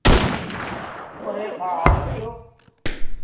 پري کآݩ آئي پيو۔